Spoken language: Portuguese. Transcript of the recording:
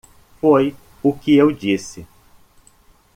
Foi o que eu disse.